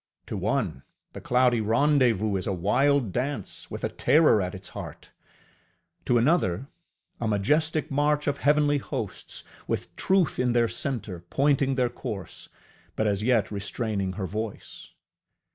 To one, the cloudy rendezvous is a wild dance, with a terror at its heart; to another, a majestic march of heavenly hosts, with Truth in their centre pointing their course, but as yet restraining her voice.